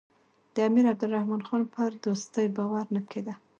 د امیر عبدالرحمن خان پر دوستۍ باور نه کېده.